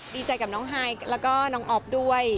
ดีใจกับน้องไฮแล้วก็น้องอ๊อฟด้วย